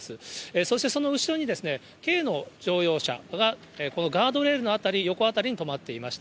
そしてその後ろに、軽の乗用車が、このガードレールの辺り、横辺りに止まっていました。